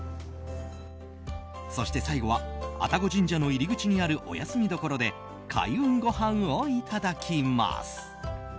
そして最後は愛宕神社の入り口にあるお休み処で開運ごはんをいただきます。